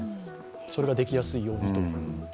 それができやすいようにという。